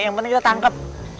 yang penting kita tangkep